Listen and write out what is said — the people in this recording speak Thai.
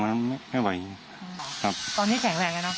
ตอนนี้แข็งแหลงไหม